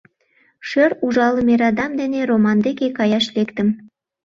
Шӧр ужалыме радам дене Роман деке каяш лектым.